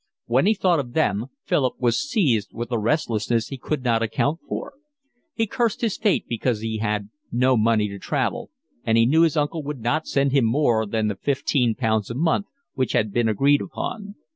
When he thought of them Philip was seized with a restlessness he could not account for. He cursed his fate because he had no money to travel, and he knew his uncle would not send him more than the fifteen pounds a month which had been agreed upon.